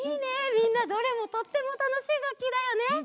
みんなどれもとってもたのしいがっきだよね。